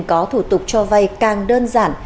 có thủ tục cho vay càng đơn giản